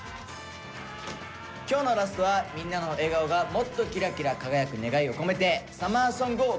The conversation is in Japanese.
今日のラストはみんなの笑顔がもっとキラキラ輝く願いを込めてサマーソングをお届けします。